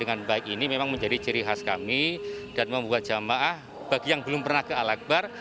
dengan baik ini memang menjadi ciri khas kami dan membuat jamaah bagi yang belum pernah ke al akbar